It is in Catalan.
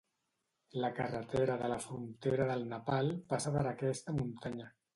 La carretera de la frontera del Nepal passa per aquesta muntanya.